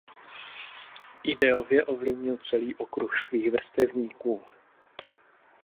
Ideově ovlivnil celý okruh svých vrstevníků.